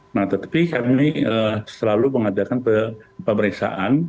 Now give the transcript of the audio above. nah tetapi kami selalu mengadakan pemeriksaan